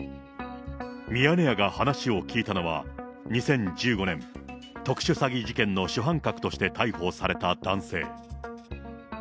ミヤネ屋が話を聞いたのは、２０１５年、特殊詐欺事件の主犯格として逮捕された男性。